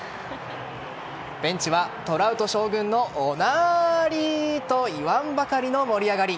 ベンチはトラウト将軍のおなりと言わんばかりの盛り上がり。